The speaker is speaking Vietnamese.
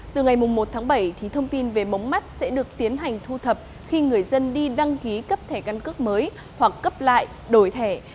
từ ngày một tháng bảy thông tin về mống mắt sẽ được tiến hành thu thập khi người dân đi đăng ký cấp thẻ căn cước mới hoặc cấp lại đổi thẻ